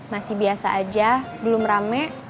masih biasa aja belum rame